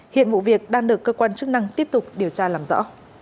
hiện vụ việc đang được cơ quan chức năng tiếp tục điều tra làm rõ